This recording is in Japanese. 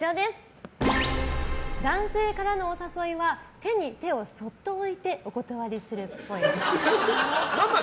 男性からのお誘いは手に手をそっと置いてお断りするっぽい。